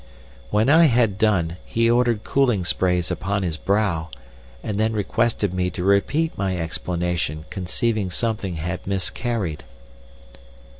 "When I had done he ordered cooling sprays upon his brow, and then requested me to repeat my explanation conceiving something had miscarried.